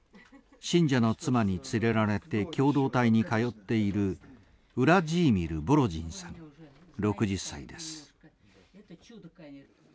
信者の妻に連れられて共同体に通っているウラジーミル・ボロジンさん６０歳です。